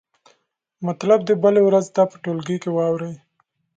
مطلب دې بلې ورځې ته په ټولګي کې واورئ.